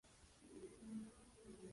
Tienen un olor algo desagradable.